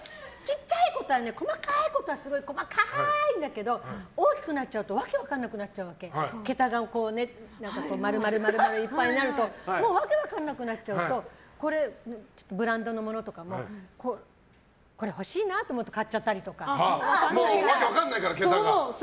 で、細かいことはすごい細かいんだけど大きくなっちゃうと訳分かんなくなっちゃうわけ桁がいっぱいになると訳分からなくなっちゃうとブランドのものとかもこれ欲しいなと思ってもう訳分かんないから、桁が。